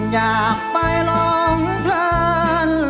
อยากไปลองเพลิน